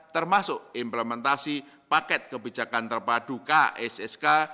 termasuk implementasi paket kebijakan terpadu kssk